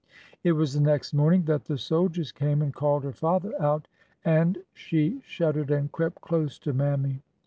It was the next morning that the soldiers came and called her father out, and— she shuddered and crept close to Mammy.